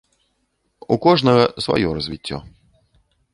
У кожнага сваё развіццё.